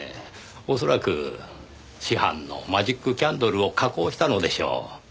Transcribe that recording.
恐らく市販のマジックキャンドルを加工したのでしょう。